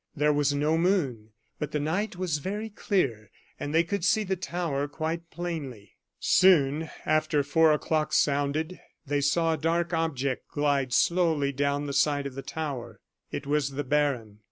There was no moon; but the night was very clear, and they could see the tower quite plainly. Soon after four o'clock sounded they saw a dark object glide slowly down the side of the tower it was the baron.